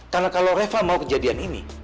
karena kalau reva mau kejadian ini